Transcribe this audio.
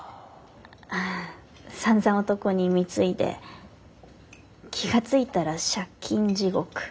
さんざん男に貢いで気が付いたら借金地獄。